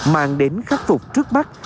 mang đến khắc phục trước mắt